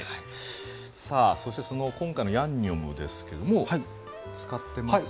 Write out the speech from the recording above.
さあそしてその今回のヤンニョムですけどもう使ってますね？